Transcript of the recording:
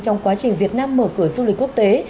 trong quá trình việt nam mở cửa du lịch quốc tế